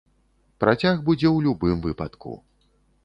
Працяг будзе ў любым выпадку.